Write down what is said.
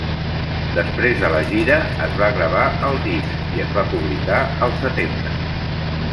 Després de la gira, es va gravar el disc, i es va publicar el setembre.